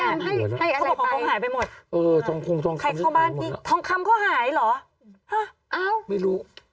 เขาบอกว่าของของหายไปหมดใครเข้าบ้านดีทองคำก็หายเหรออ้าวไม่รู้